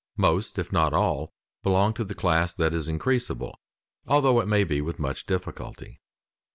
Most, if not all, belong to the class that is increasable, although it may be with much difficulty.